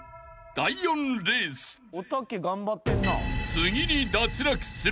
［次に］